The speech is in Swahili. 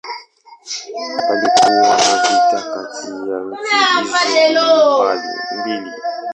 Palikuwa na vita kati ya nchi hizo mbili.